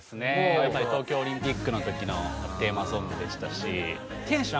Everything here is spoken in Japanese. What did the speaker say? やっぱり東京オリンピックの時のテーマソングでしたし。